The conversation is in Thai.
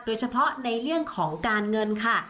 โดยเฉพาะในเรื่องของการเงินค่ะ